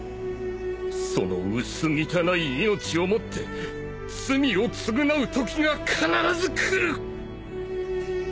その薄汚い命をもって罪を償うときが必ず来る！